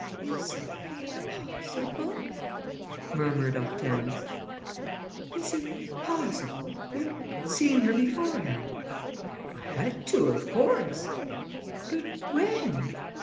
"Is it possible?" murmured Hortense. "Is it possible? You had seen her beforehand?" "I had to, of course." "But when?"